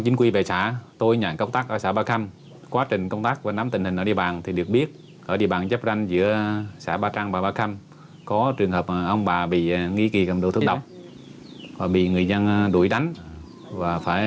chính quyền địa phương xã cũng đã nhiều lần vận động nhưng vợ chồng không dám về vì sợ dân làng đập